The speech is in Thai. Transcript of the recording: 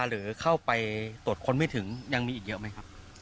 หรือเข้าไปตรวจค้นไม่ถึงยังมีอีกเยอะไหมครับ